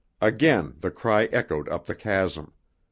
Again the cry echoed up the chasm.